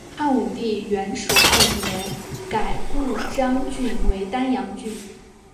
汉武帝元狩二年改故鄣郡为丹阳郡。